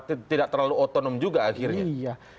tidak terlalu otonom juga akhirnya